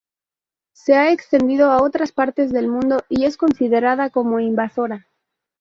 Se ha extendido a otras partes del mundo y es considerada como invasora.